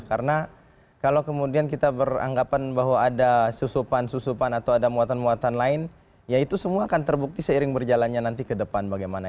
karena kalau kemudian kita beranggapan bahwa ada susupan susupan atau ada muatan muatan lain ya itu semua akan terbukti seiring berjalannya nanti ke depan bagaimana